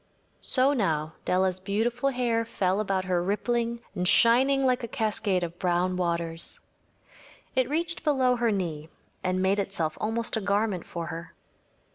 So now Della’s beautiful hair fell about her rippling and shining like a cascade of brown waters. It reached below her knee and made itself almost a garment for her.